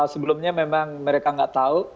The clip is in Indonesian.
sebelumnya memang mereka nggak tahu